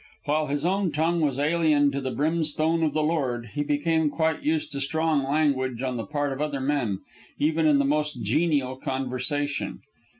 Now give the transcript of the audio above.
While his own tongue was alien to the brimstone of the Lord, he became quite used to strong language on the part of other men, even in the most genial conversation.